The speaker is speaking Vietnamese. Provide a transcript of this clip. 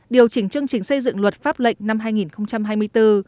điều chỉnh chương trình xây dựng luật pháp lệnh năm hai nghìn hai mươi bốn